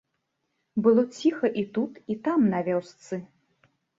Было ціха і тут, і там, на вёсцы.